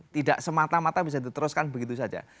tidak semata mata bisa diteruskan begitu saja